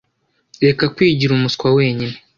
Reka kwigira umuswa wenyine.